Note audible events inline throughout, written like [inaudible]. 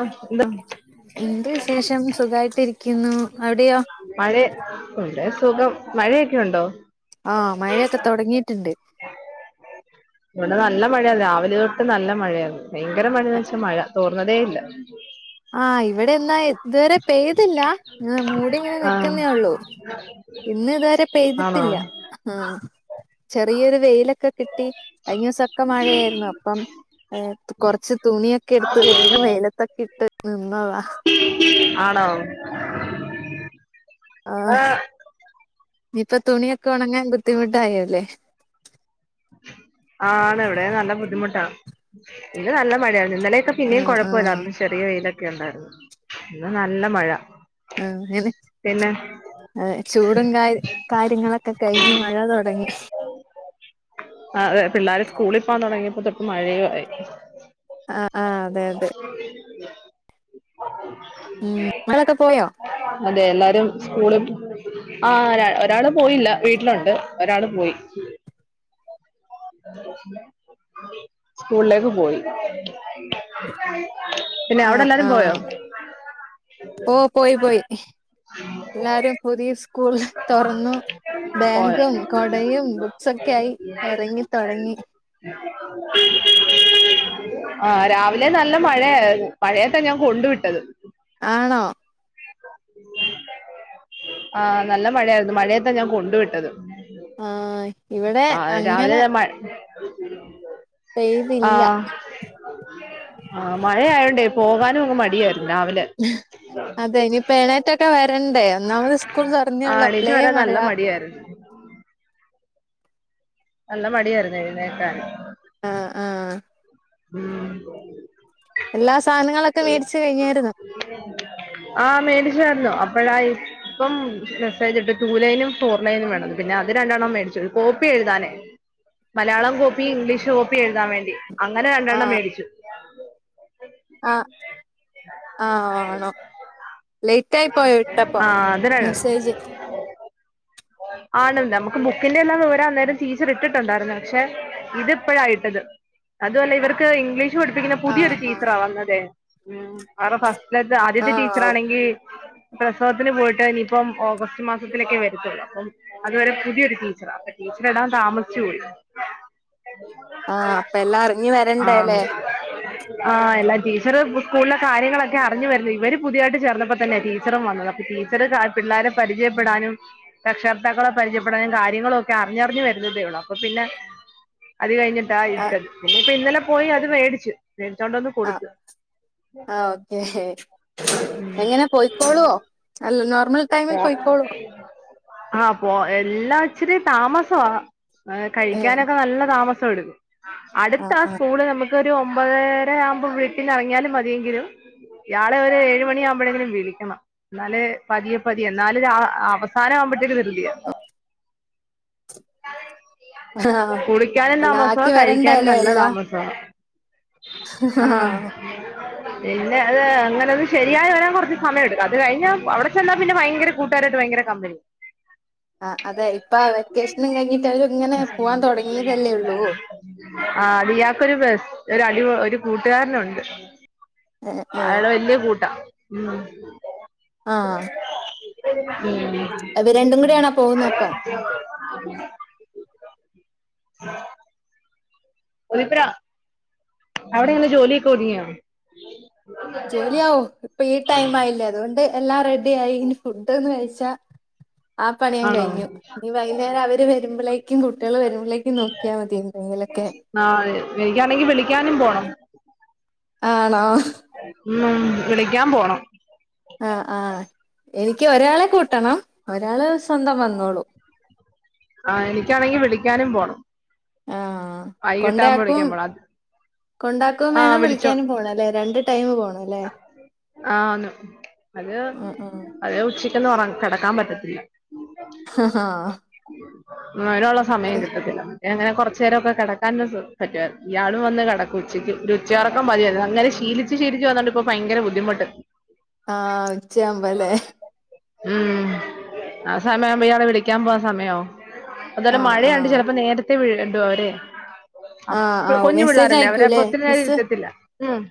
ആഹ് എന്താ ഇന്ത് വിശേഷം സുഖായിട്ടിരി കുന്നൂ അവിടെയോ ഉണ്ട് സുഖം മഴയൊക്കെ ഉണ്ടോ? ആ മഴയൊക്കെ തൊടങ്ങീട്ട്ണ്ട് ഇവടെ നല്ല മഴയാ രാവിലെ തൊട്ട് നല്ല മഴയാരുന്നു. ഭയങ്കര മഴയെന്ന് ച്ചാ മഴ തോർന്നതേ ഇല്ല ആ ഇവിടെ എന്നാ ഇത് ഇതുവരെ പെയ്തില്ലാ ങ്ങനെ മൂടി ങ്ങനെ ആഹ് നിക്കുന്നേ ഒള്ളൂ ഇന്ന് ഇതുവരെ ആണോ പെയ്തിട്ടില്ല ആ ചെറിയൊരു വെയിലൊക്കെ കിട്ടി കഴിഞ്ഞോസൊക്കെ മഴയായിരുന്നു അപ്പം കൊറച്ച് തുണിയൊക്കെ എടുത്ത് വേഗം വെയിലത്തൊക്കെ ഇട്ട് പ്പ്മ്മ വാ ആണോ ആ ആഹ് ഇപ്പൊ തുണിയൊക്കെ ഒണങ്ങാൻ ബുദ്ധിമുട്ടായോല്ലേ ആണ് ഇവിടെ നല്ല ബുദ്ധിമുട്ടാ പിന്നെ നല്ല മഴയാ ഇന്നലെയൊക്കെ ആ പിന്നേ ആ കൊഴപ്പല്ലാ ഇന്ന് ചെറിയ വെയിലൊ ക്കെണ്ടായിരുന്നു ഇന്ന് നല്ല മഴ ഔഹനെ പിന്നെ അതെ ചൂടും കാര് കാര്യങ്ങളൊ ക്കെ കയിഞ്ഞ് മഴ തൊടങ്ങി കൂളി പോവാൻ തൊടങ്ങിയപ്പൊ തൊട്ട് മഴയു ആയി ആ ആ അതെ അതെ [unintelligible] ഉം മഴയൊക്കെ പോയോ [unintelligible] അതെ എല്ലാരും സ്കൂളി ആഹ് ര ഒരാള് പോയില്ല വീട്ടിലുണ്ട് ഒരാള് പോയി സ്കൂളിലേക്ക് പോയി പിന്നെ അവിടെ ആഹ് എല്ലാരും പോയോ ആഹ് ഓ പോയി പോയി എല്ലാരും പുതിയ സ്കൂ തൊറന്നു പോയ ബാഗും കൊടയും ബുക്സൊക്കായി എറങ്ങി തൊടങ്ങി ആഹ് രാവിലെ നല്ല മഴയാര്ന്നു മഴയത്താ ഞാൻ കൊണ്ടു വിട്ടത് ആണോ ആഹ് നല്ല മഴയായിര്ന്നു മഴയത്താ ഞാൻ കൊണ്ടു വിട്ടത് ആഹ് ഇവിടെ ആഹ് രാവിലെ അങ്ങനെ ഞാ മയ് പെയ്തില്ല ആഹ് ആഹ് മഴയായോണ്ടേ പോകാൻ [unintelligible] മടിയാ അതെ ഇനിപ്പോ എണേറ്റൊക്കെ വരണ്ടേ ഒന്നാമത് സ്കൂൾ ആ തുറന്നേള്ളൂ എണീറ്റ് അപ്പളേ വരാൻ മഴ നല്ല മടിയായിരുന്നു നല്ല മടിയാര്ന്നു എഴുന്നേക്കാൻ ആഹ് ആഹ് ഉം എല്ലാ സാധനങ്ങളൊക്കെ മേടച്ച് കഴിഞ്ഞായിരുന്നോ? ആ മേടിച്ചായിരുന്നു അപ്പോഴാണ് ഇപ്പം മെസ്സേജ് ഇട്ടു. ടു ലൈനും ഫോർ ലൈനും വേണന്ന്. പിന്നെ അത് രണ്ടെണ്ണം മേടിച്ചു. കോപ്പി എഴുതാനേ മലയാളം കോപ്പി ഇംഗ്ലീഷ് കോപ്പി എഴുതാൻ വേണ്ടി. അങ്ങനെ രണ്ടെണ്ണം മേടിച്ചു. ആഹ ആഹ ആണോ? ലേറ്റ് ആയി പോയ ഇട്ടപ്പോ ആ അതിനാണ് മെസ്സേജ് ആണല്ലോ നമുക്ക് ബുക്കിന്റെല്ലാം വിവരം അന്നേരം ടീച്ചർ ഇട്ടിട്ടുണ്ടായിരുന്നു. പക്ഷെ ഇതിപ്പോഴായിട്ടത് അതുപോലെ ഇവർക്ക് ഇംഗ്ലീഷ് പഠപ്പിക്കുന്ന ആഹ് പുതിയരു ആഹ് ടീച്ചറാ വന്നതെ.. [inaudible] [unintelligible] ആദ്യത്തെ ആഹ് ടീച്ചർ ഓ ആണെങ്കിൽ പ്രസവത്തിന് പോയിട്ട് ഇനിയിപ്പം ഓഗസ്റ്റ് മാസത്തിലൊക്കെ വരുത്തുള്ളൂ. അപ്പം അതുവരെ പുതിയൊരു ടീച്ചറാണ്. അപ്പ ടീച്ചർ ഇടാൻ താമസിച്ചു പോയി. ആഹ അപ്പ എല്ലാം അറിഞ്ഞു വരണ്ടേ അല്ലേ? എല്ലാം ടീച്ചർ സ്കൂളിലെ കാര്യങ്ങളൊക്കെ അറിഞ്ഞു വരുന്നു ഇവര് പുതിയായിട്ട് ചേർന്നപ്പോ തന്നെ ടീച്ചറും വന്നത് അപ്പൊ ടീച്ചർ പിള്ളേരെ പരിചയപ്പെടാനും രക്ഷകർത്താക്കളെ പരിചയപ്പെടാനും കാര്യങ്ങളൊക്കെ അറിഞ്ഞഞ് വരുന്നതേ ഉള്ളൂ. അപ്പൊ പിന്നെ അത് കഴിഞ്ഞി ആഹ് [unintelligible] ഇനിയിപ്പോ ഇന്നലെ പോയി അത് മേടിച്ചു. മേടിച്ചോണ്ട് വന്ന് ആ കൊടുത്ത് ആ ഓക്കേ എങ്ങനെ പോയിക്കോളുവോ അല്ല നോർമൽ ടൈമിൽ പോയിക്കോളുവോ ആഹ് പോ എല്ലാം ഇച്ചിരി താമസമാ ഏ കഴിക്കാനൊക്കെ നല്ല താമസം [unintelligible] ആ അടുത്ത ഒരു ഒമ്പതര ആവുമ്പോൾ വീട്ടിന്ന് ഇറങ്ങിയാലും മതിയെങ്കിലും ഇയാളെ ഒരുഏഴു മണിയാവുമ്പോളെങ്കിലും വിളിക്കണം. എന്നാല് പതിയെ പതിയെ എന്നാല അവസാനം ആവുമ്പോഴത്തേക്ക് ധൃതിയാ [inaudible] ആ കുളിക്കാനും എല്ലാം താമസമാണ് ആക്കി കഴിക്കാനും വരണ്ടല്ലേ നല്ല എല്ലാം താമസമാണ് [inaudible] അത് അങ്ങനെ അത് ശരിയായി വരാൻ കുറച്ച് സമയം എടുക്കും അത് കഴിഞ്ഞ അവിടെ ചെന്നാ പിന്നെ ഭയങ്കര കൂട്ടുകാരായിട്ട് ഭയങ്കര കമ്പനി ആ അതെ ആ തുടങ്ങിയതല്ലേ ഉള്ളൂ [unintelligible] ഒരു അടി ഒരു കൂട്ടുകാരനുണ്ട് ഏ ഏ അയാള് വലിയ കൂട്ട [unintelligible] ആ അത് രണ്ടും കൂടെ ആണോ പോകുന്ന അപ്പോ? [unintelligible] അവിടെ ഇങ്ങനെ ജോലിയൊക്കെ ഒതുങ്ങിയോ? ജോലിയാവോ? ഇപ്പോ ഈ ടൈം ആയില്ലേ അതുകൊണ്ട് എല്ലാ റെ ഡിയായി ഇനി ഫുഡ് ഒന്ന് കഴി ച്ചാ ആ പണിയും ആണോ കഴിഞ്ഞു ഇനി വൈകുന്നേരം അവര് വരുമ്പളേക്ക് ക്കും കുട്ടികൾ വരും. ആഹ് എനിക്കാണെങ്കിൽ വിളിക്കാനും പോണം. ആണോ? ഉം വിളിക്കാൻ പോണം. ആഹ് ആഹ് എനിക്ക് ഒരാളെ കൂട്ടണം ഒരാള് സ്വന്തം വന്നോളും. ആ എനിക്കാണെങ്കി വിളിക്കാനും പോണം. ആഹ് വൈകിട്ടാകുമ്പോ കൊണ്ടേയാക്കും വിളിക്കാൻ പോണം അത് കൊണ്ടാക്കും ആ വേണം വിളിച്ചോ വിളിക്കാനും പോണം അല്ലേ രണ്ട് ടൈം പോണം അല്ലേ? ആന്ന് അത് ഉം ഉം അത് ഉച്ചക്ക് എന്ന് ഒറങ്ങി കെടക്കാൻ പറ്റത്തില്ല ആ ഹ് ഹാ മഴയുള്ള സമയം കിട്ടത്തില്ല എങ്ങനെ കുറച്ചു നേരൊക്കെ കിടക്കാനു സു പറ്റുമായിരുന്ന് ഇയാളും വന്ന് കിടക്കും ഉച്ചക്ക് ഒരു ഉച്ചേർക്കാം പതിയായിരുന്നു അങ്ങനെ ശീലിച്ചു ശീലിച്ചു വന്നുണ്ട് ഇപ്പോ ഭയങ്കര ബുധി ബുദ്ധിമുണ്ട് ആഹ് ഉച്ചയാവുമ്പല്ലേ ഉം ആ സമയവുമ്പോ ഇയാളെ വിളിക്കാൻ പോവാൻ സമയവും അതുപോലെ ആഹ് മഴയണ്ട് ആഹ് ചിലപ്പോ നേരത്തെ ഥിവിഡെത്തും അവരെ ആഹ് അപ്പ ആഹ് കുഞ്ഞു മെസ്സേജ് പിള്ളേറല്ലേ അവരെപ്പൊ അയക്കൂല്ലേ ഒത്തിരി നേരം മിസ്സ് ഇരുത്തത്തില്ല മം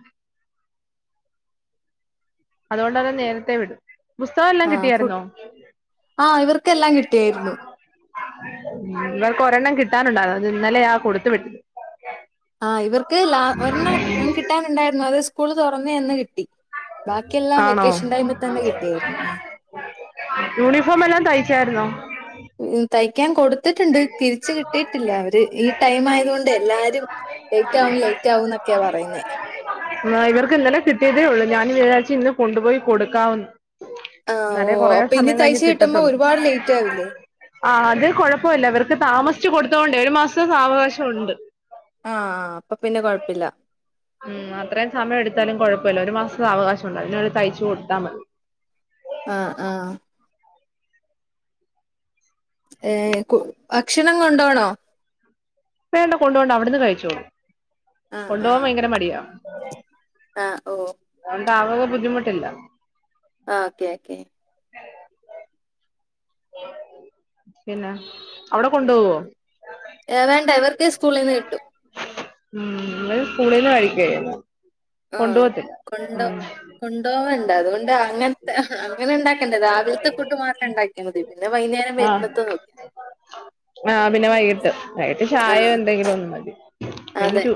അതുകൊണ്ട് അവർ നേരത്തെ വിടും പുസ്തകം എല്ലാം കിട്ടിയായിരുന്നോ ആ ഇവർക്കെല്ലാം കിട്ടിയായിരുന്നു ഇവൾക്ക് ഒരെണ്ണം കിട്ടാനുണ്ടോ ഇന്നലെ ആ കൊടുത്തു വിട്ടത് ആ ഇവർക്ക് ഒരെണ്ണം കിട്ടാനുണ്ടായിരുന്നു അത്- സ്കൂൾ തുറന്നേ എന്ന് കിട്ടി ബാക്കിയെല്ലാം ആണോ വെക്കേഷൻ ടൈമിൽ തന്നെ കിട്ടിയായിരുന്നു ആ യൂണിഫോം എല്ലാം തയ്ച്ചാരുന്നോ തയ്ക്കാൻ കൊടുത- ടുത്തിട്ടുണ്ട് തിരിച് കി - ഇട്ടിട്ടില്ല അവര് അത് ഈ ടൈം ആയത് കൊണ്ട് എല്ലാരും ലേറ്റ് ആവും ലേറ്റ് ആകും എന്നൊക്കെയാ പറയുന്നേ ഇവർക്ക് ഇന്നലെ കിട്ടിയതേ ഉള്ളൂ ഞാനും വിചാരിച്ചു ഇന്ന് കൊണ്ടുപോയി കൊടുക്കാവന്ന് ആ ഓ അപ്പൊ ഇനി തയ്ച്ച കിട്ടുമ്പോ കിട്ടത്തുള്ളൂ ഒരുപാട് ലേറ്റ് ആവില്ലേ ആ അത് കുഴപ്പമില്ല ഇവർക്ക് താമസിച്ചു കൊടുത്തുകൊണ്ടേ ഒരു മാസം ഇപ്പം സാവകാശം ഉണ്ട് ആഅപ്പൊ പിന്നെ കൊഴപ്പില്ല ഉം അത്രയും സമയം എടുത്താലും കുഴപ്പമില്ല ഒരു മാസത്തെ സ വകാശം ഉണ്ട് അത്തിനുള്ളി തയ്ച്ചു കൊടുത്ത മതി കൊടുത്താൽ മതി ആ ആ ഏ ഭക്ഷണം കൊണ്ടോണോ വേണ്ട കൊണ്ട പോണ്ട അവിടുന്ന് കഴിച്ചോളൂ ആ ആ കൊണ്ടുപോകൻ ഭയങ്കര മടിയാ ആ ഓ ആവക ബുദ്ധിമുട്ടില്ല ആ ഓക്കെ ഓക്കേ പിന്നെ, അവിടെ കൊണ്ടുപോവോ എ, വേണ്ട ഇവർക്ക് വർക്ക് സ്കൂളിന്ന് കിട്ടു ഉ ഇത് സ്കൂളിന്ന് കഴിക്കുവായിരുന്നു ആ കൊണ്ടോവൽ അതുകൊണ്ട് അങ്ങനത അങ്ങനെണ്ടാടായിയിട്ടുണ്ട് പിന്നെ വൈകുന്നേരം വരുമ്പത്തെ നോക്കിയാ ആ പിന്നെ വൈകിട്ട് മതി ചായോ ആ എന്തെങ്കിലും ഒന്നും മതി പിന്നെ അതെ ടു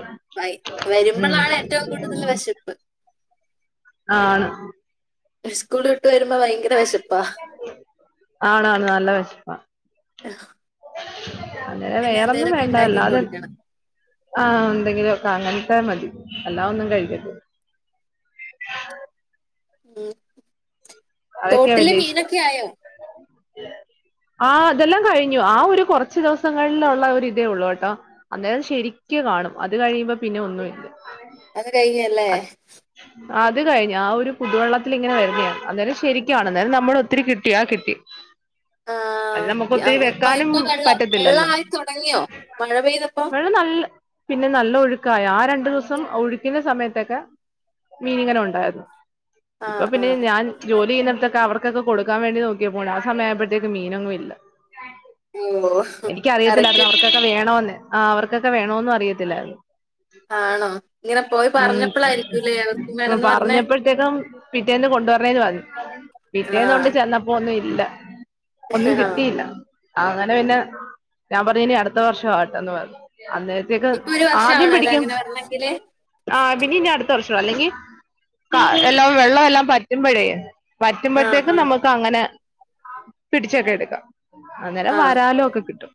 ഉം വരുമ്പോഴാണ് ഏറ്റവും കൂടുതൽ വശിപ്പ് ആണ് സ്ക്കൂള് വിട്ട് - താമസിച്ചു പോണ മതിയായിരുന്നു ആണാണ് നല്ല വേശപ്പ അങ്ങനെ പിന്നെ വേറൊന്നും എന്തേലൊക്കെ വേണ്ടല്ല ഉണ്ടാക്കി അല്ലാതെ കൊടുക്കണം ആ എന്തെങ്കിലും ഒക്കെ അങ്ങനതെ മതി അല്ലാ ഒന്നും കഴിക്കത്തി മ്മ് അതൊക്കെയാ തോട്ടിലെ വലിയ ഇഷ്ടം മീനൊക്കെ ആയോ ആ അതെല്ലാം കഴിഞ്ഞു ആ ഒരു കുറച്ച് ദിവസങ്ങളിലുള്ള ഒരു ഇതേ ഉള്ളൂ കേട്ടോ അന്നേരം ശരിക്ക കാണും അത് കഴിയുമ്പോ പിന്നെ ഒന്നും ഇല്ല അത് കഴിഞ്ഞല്ലേ അത് കഴിഞ്ഞ് ആ ഒരു പുതുവെള്ളത്തിൽ ഇങ്ങനെ വരുന്നതാണ് അ ശരിക്ക ആണെന്താൽ നമ്മള ഒത്തിരി കിട്ടിയാ കിട്ടി ആ അത് നമുക്ക് ഓക്കേ. ആ, ഒത്തിരി ഇപ്പൊ വെക്കാനും ഇപ്പൊ വെള്ളം പറ്റത്തില്ലല്ലോ വെള്ളമായി തുടങ്ങിയോ മഴ പെയ്തപ്പോ വെള്ളം നല്ല പിന്നെ നല്ല ഒഴുക്കായ ആ ര ദിവസം ഒഴുകുന്ന സമയത്തൊക്കെ മീൻ ഇങ്ങനെ ഉണ്ടായിരുന്നു ആ ഇപ്പൊ ആ പിന്നെ ഞാൻ ജോലി ചെയ്യുന്നടത്തൊക്കെ അവർക്കൊക്കെ കൊടുക്കാൻ വേണ്ടി നോക്കിയപ്പോഴാ ആ സമയായപഴത്തേക്കും മീനൊന്നും ഇല്ല ഓ കറക്റ്റ് എനിക്കറിയത്തില്ലായിരുന്നു അവർക്കൊക്കെ വേണോന്ന് ആ അവർക്കൊക്കെ വേണോന്നു അറിയത്തില്ലായിരുന്നു ആണോ ങ്ങനെ പോയി പറഞ്ഞപ്പളായിരിക്കൂല്ലേ അവർക്കും ഉം വേണന്ന് പറഞ്ഞേ പറഞ്ഞപ്പോഴത്തേക്കും പിറ്റേന്ന് കൊണ്ടുവർണേന്ന് പറഞ്ഞ് ആ പിറ്റേന്നൊണ്ട് ചെന്നപ്പോന്നും ഇല്ല ഒന്നും ആ. കിട്ടിയില്ല അങ്ങനെ പിന്നെ ഞാൻ പറഞ്ഞിനി അടുത്ത വർഷ ആട്ടന്ന് പറു ഇപ്പൊ ഒരു വർഷം ആവണ അതങ്ങനെ വരണങ്കില് ആ പിന്നിനി അടുത്ത വർഷം അല്ലെങ്കി എല്ലാം വെള്ളം എല്ലാം പറ്റുമ്പോഴേ ആ ആ പറ്റുമ്പോഴത്തേക്കും നമുക്ക് അങ്ങനെ പിടിച്ചൊക്കെ എടുക്കാം അന്നേരം ആ വരാലും ഒക്കെ കിട്ടും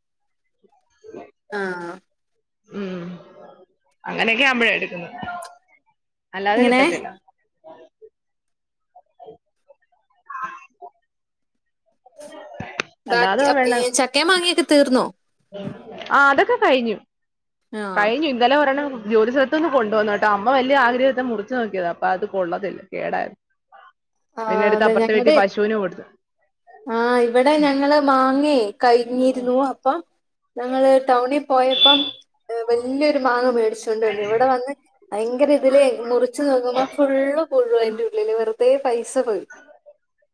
ഉ ആഹ ഉം അങ്ങനെയൊക്കെ ആമ്പഴായി [unintelligible] അല്ലാതെ ഇങ്ങനെ കിട്ടത്തില്ല ആഹ ബാക്കി അ വേണം ചക്കെ മാങ്ങക്കെ തീർന്നോ ആ അതൊക്കെ കഴിഞ്ഞു ആഹ് കഴിഞ്ഞു ഇന്നലെ ഒരണ്ണം ജോലി സ്ഥലത്തുന്ന് കൊണ്ടുവന്നു കേട്ടോ അമ്മ വലിയ ആഗ്രഹത്തെ മുറിച്ചു നോക്കിയത അപ്പൊ അത് കൊള്ളതില്ല കേടായിരുന്നു ആ പിന്നെ എടുത്ത് അതെ അപ്പുറത്തെ വീട്ടിൽ ഞങ്ങടെ പശുവിന് കൊടുത്തു ആ ഇവിടെ ഞങ്ങള് മാങ്ങെ കയിഞ്ഞിരുന്നു അപ്പം ഞങ്ങള് ടൗണിൽ പോയപ്പം വലിയൊരു മാ വ [unintelligible] ഇവിടെ വന്ന് ഭയങ്കര ഇതില് മുറി ച്ച് നോക്കുമ്പോ ഫുള്ള് പുഴു അയ്ന്റുള്ളിൽ ള്ളില് വെറുതെ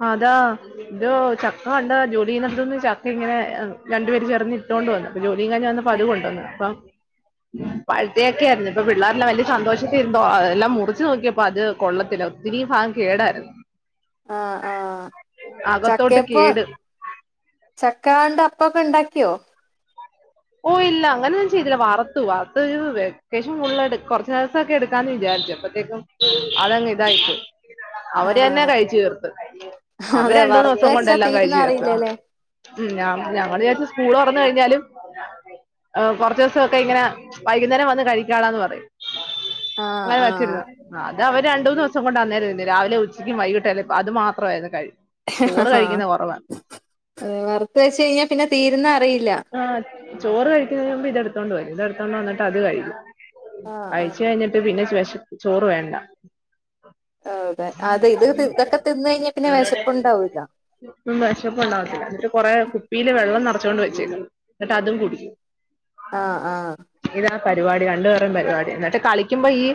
ആതാ ജോ ചക്ക കണ്ട ജോലി ചെയുന്നടുത്തിന്ന് ചക്ക ഇങ്ങനെ രണ്ടു പേര് ചേർന്ന് ഇട്ടോണ്ട് വന്ന് ജോലി കയിഞ്ഞ് വന്നപ്പോ അത് കൊണ്ടുവന്ന് അപ്പോ പഴുത്ത ചക്കയായിരുന്നു ഇപ്പ പിള്ളേരെല്ലാം വലിയ സന്തോഷത്തിലിരുന്നതാ എല്ലാം മുറിച്ചു നോക്കിയപ്പോ അത് കൊള്ളത്തില്ല ഒത്തിരി ഭാഗം കേടായിരു ആഹ് ആഹ് അകത്തോട്ട് ചക്കെപ്പോ കേട് ചക്ക കണ്ട അപ്പൊക്കെ ഉണ്ടാക്കിയോ ഓ ഇല്ല അങ്ങനെ ഒന്നും ചെയ്തില്ല വറുത്തു വറുത്ത് വെക്കേഷൻ ഫുൾ കുറച്ചു ദിവസൊക്കെ എടുക്കാന്ന് വിചാരിച്ച് അപ്പത്തേക്കും അതങ്ങ് ഇതായി പോയി. അവര് തന്നെ ആഹ് കഴിച്ചു തീർത്ത് അവര് അതെ രണ്ടൂന്ന് വറുത്ത് ദിവസം വെച്ചാ കൊണ്ടെല്ലാം തീരുന്ന കഴിച്ചു തീർത്ത് അറിയില്ലല്ലേ ഞങ്ങൾ വിചാരിച്ച് സ്കൂള് [unintelligible] കഴിഞ്ഞാലും. കുറച്ചവസൊക്കെ ഇങ്ങനെ വൈകുന്നേരം വന്ന് കഴിക്കാളെന്ന് പറയും. ആഹ് അങ്ങനെ ആഹ് വെച്ചിരുന്ന്. അത് അവർ രണ്ട് മൂന്ന് ദിവസം കൊണ്ട്ന്നോയിരുന്നു രാവിലെ ഉച്ചക്കും വൈകിട്ടും അത് മാത്രമായിരുന്നു കഴിക്ക ആഹ് വറുത്ത് വെച്ച് കഴിഞ്ഞാൽ പിന്നെ തീരുന്ന അറിയില്ല ആ ചോറ് കഴിക്കുന്നതിന് മുമ്പ് ഇതെടുത്തോണ്ട് പോവും- ഇത് എടുത്തോണ്ട് വന്നിട്ട് അത് കഴിക്കും- ആഹ് ആഹ് കഴിച്ച് കഴിഞ്ഞിട്ട് പിന്നെ - ചോറ് വേണ്ട- അതെ അത് ഇത് തി ഇതൊക്കെ തിന്ന് കഴിഞ്ഞാ പിന്നെ വിശപ്പുണ്ടാവൂല വെശപ്പ് ഒണ്ടാവത്തില്ല എന്നിട്ട് കൊറെ കുപ്പിയില് വെള്ളം നറ [unintelligible] തിന്നും എന്നിട്ട് അതും കുടിക്കും- ആഹ് ആഹ് ഇതാ പരിപാടി രണ്ടു പേരും പരിപാടി എന്നിട്ട് കളിക്കുമ്പോ ഈ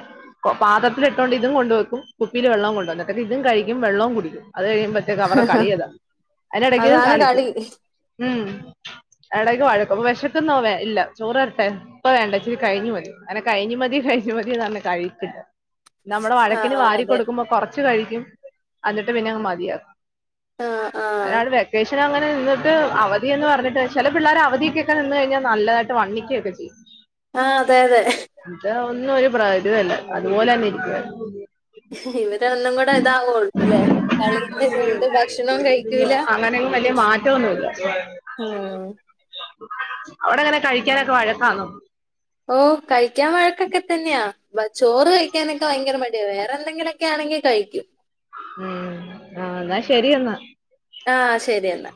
പാത്രത്തിലിട്ടോണ്ട് ഇതും കൊണ്ട് വെക്കും കുപ്പിൽ വെള്ളവും കൊണ്ടു വെക്കും എന്നിട്ട് ഇതും കഴിക്കും വെള്ളവും കുടിക്കും അത് കഴിയുമ്പോത്തേക്ക് അവര കളിയതാണ് അതിനിടക്ക് അതാണ് കളിക്കും കളി ഉം അവിടക്ക് വഴക്കും വിശക്കന്നും ഇല്ല ചോറ് തരട്ടെ ഇപ്പ വേണ്ട ഇച്ചിരി കഴിഞ്ഞ് മതി അങ്ങനെ കഴിഞ്ഞ് മതി കഴിഞ്ഞ് മതിന്ന് പറഞ്ഞ് കഴിക്കേല്ല- നമ്മുടെ ആ വഴക്കിന് വാരി അതെ കൊടുക്കുമ്പോ കൊറച്ച്- ച്ച് കഴിക്കും അന്നിട്ട് പിന്നെങ്ങ് മതിയാക്കും- ആ ആ അതാണ് വെക്കേഷൻ അങ്ങൻ- എന്നിട്ട് അവധി എന്ന് പറഞ്ഞിട്ട് ചെല പിള്ളേര് അവധിക്കൊക്കെ നിന്ന് കഴിഞ്ഞാൽ നല്ലതായിട്ട് വണ്ണിക്കൊക്കെ ചെയ്യും ആഹ് അതെ അതെ ഇതൊന്നും ഒരു പ്രയോജനവുമില്ല അതുപോലെ തന്നെ ഇരിക്കുവ ഇവ ര് ഒന്നും കൂടെ ഇതാവോള്ളുലെ കളിന്റെതോണ്ട് ഭക്ഷണവും കഴിക്കൂല അങ്ങനെയൊന്നും വലിയ മാറ്റമൊന്നുമില്ല ആഹ് അവിടെങ്ങനെ കഴിക്കാനൊക്കെ വഴക്കാന്നോ ഓ കഴിക്കാൻ വഴക്കൊക്കെ തന്നെയാ വച്ചു ചോറ് കഴിക്കാനൊക്കെ ഭയങ്കര മടിയ വേറെന്തെങ്കിലൊക് ക്കെ ആണെങ്കി കഴിക്കും മ്മ് ആഹ് ന്നാ ശരിയെന്നാ ആഹ് ശരിയെന്നാ